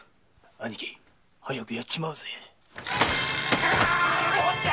兄貴早くやっちまおうぜ！